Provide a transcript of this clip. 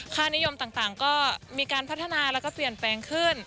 ค่านิยมต่างก็มีการพัฒนาแล้วก็เปลี่ยนแปลงขึ้น